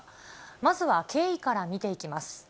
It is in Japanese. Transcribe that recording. まずは経緯から見ていきます。